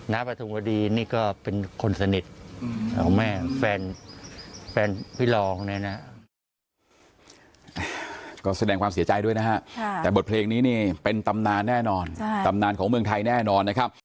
ปฐุมวดีนี่ก็เป็นคนสนิทของแม่แฟนพี่รองเนี่ยนะก็แสดงความเสียใจด้วยนะฮะแต่บทเพลงนี้นี่เป็นตำนานแน่นอนตำนานของเมืองไทยแน่นอนนะครับ